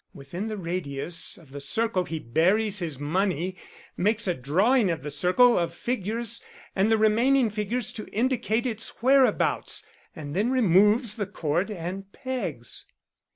Within the radius of the circle he buries his money, makes a drawing of the circle of figures and the remaining figures to indicate its whereabouts, and then removes the cord and pegs."